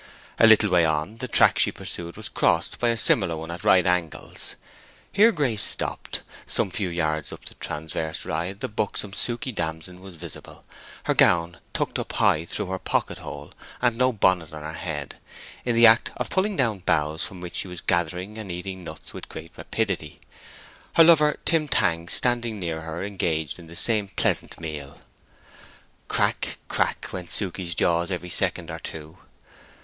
A little way on, the track she pursued was crossed by a similar one at right angles. Here Grace stopped; some few yards up the transverse ride the buxom Suke Damson was visible—her gown tucked up high through her pocket hole, and no bonnet on her head—in the act of pulling down boughs from which she was gathering and eating nuts with great rapidity, her lover Tim Tangs standing near her engaged in the same pleasant meal. Crack, crack went Suke's jaws every second or two.